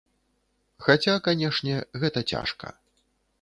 Хаця, канешне, гэта цяжка.